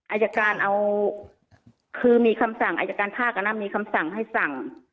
อายการเอาคือมีคำสั่งอายการภาคมีคำสั่งให้สั่ง